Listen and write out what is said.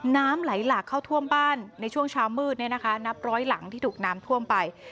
น้ำไหลหลากเข้าท่วมบ้านในช่วงเช้ามืดนับร้อยหลังที่ถูกน้ำท่วมไป